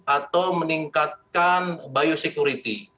atau meningkatkan biosecurity